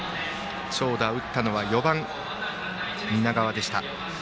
長打を打ったのは４番、南川でした。